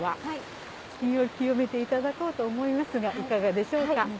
身を清めていただこうと思いますがいかがでしょうか？